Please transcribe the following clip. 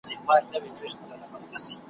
چي په محقق کندهاري هم مشهور دی